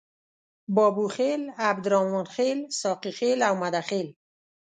بابوخیل، عبدالرحمن خیل، ساقي خیل او مده خیل.